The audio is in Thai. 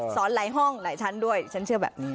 หลายห้องหลายชั้นด้วยฉันเชื่อแบบนี้